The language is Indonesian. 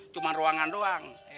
cuma ruangan doang